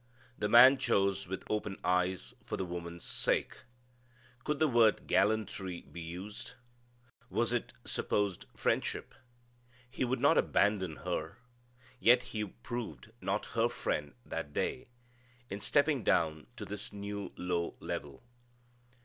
The man chose with open eyes for the woman's sake. Could the word gallantry be used? Was it supposed friendship? He would not abandon her? Yet he proved not her friend that day, in stepping down to this new low level.